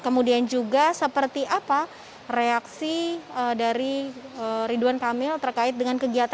kemudian juga seperti apa reaksi dari ridwan kamil terkait dengan penyidik dari dprk